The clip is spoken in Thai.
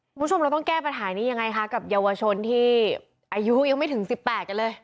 คุณผู้ชมเราต้องแก้ปัญหานี้ยังไงคะกับเยาวชนที่อายุยังไม่ถึง๑๘กันเลย